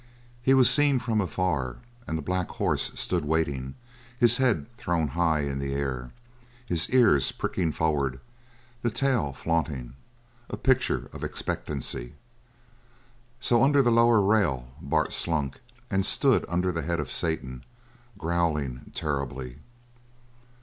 He was seen from afar, and the black horse stood waiting, his head thrown high in the air, his ears pricking forward, the tail flaunting, a picture of expectancy. So under the lower rail Bart slunk and stood under the head of Satan, growling terribly.